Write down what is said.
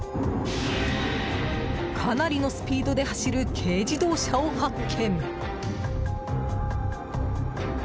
かなりのスピードで走る軽自動車を発見。